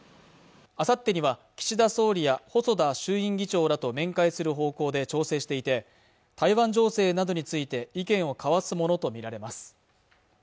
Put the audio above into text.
あさってには岸田総理や細田衆院議長らと面会する方向で調整していて台湾情勢などについて意見を交わすものと見られます